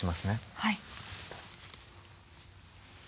はい。